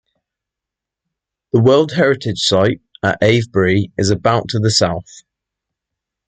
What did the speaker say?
The World Heritage Site at Avebury is about to the south.